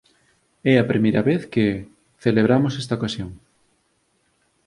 É a primeira vez que... celebramos esta ocasión.